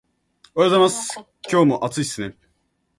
おはようございます。今日も暑いですね